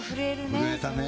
震えたね。